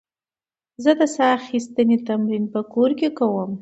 زه د ساه اخیستنې تمرین په کور کې کوم.